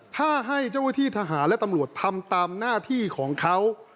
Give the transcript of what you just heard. ถ้าให้เจ้าหน้าที่ทหารและตำรวจทำตามหน้าที่ของเขา